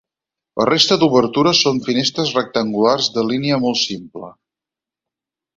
La resta d'obertures són finestres rectangulars, de línia molt simple.